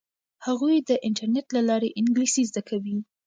هغوی د انټرنیټ له لارې انګلیسي زده کوي.